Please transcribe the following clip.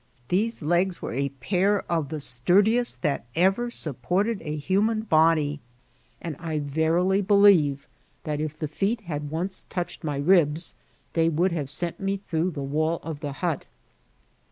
These legs were a pair of the sturdiest that ever supported a human body ; and I verily believe that if the f^et had once touched my ribs, they would have sent me through the wall of the hut.